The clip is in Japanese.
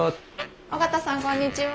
緒方さんこんにちは。